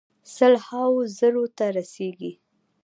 سل هاوو زرو ته رسیږي.